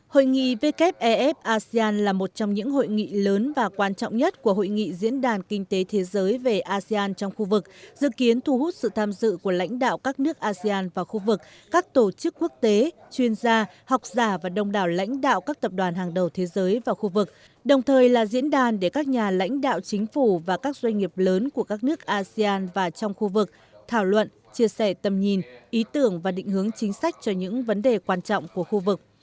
hội nghị wff asean là một trong những hội nghị lớn và quan trọng nhất của hội nghị diễn đàn kinh tế thế giới về asean trong khu vực dự kiến thu hút sự tham dự của lãnh đạo các nước asean vào khu vực các tổ chức quốc tế chuyên gia học giả và đông đảo lãnh đạo các tập đoàn hàng đầu thế giới vào khu vực đồng thời là diễn đàn để các nhà lãnh đạo chính phủ và các doanh nghiệp lớn của các nước asean vào trong khu vực thảo luận chia sẻ tầm nhìn ý tưởng và định hướng chính sách cho những vấn đề quan trọng của khu vực